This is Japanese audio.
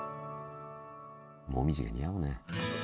紅葉が似合うね。